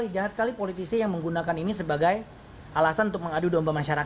jahat sekali politisi yang menggunakan ini sebagai alasan untuk mengadu domba masyarakat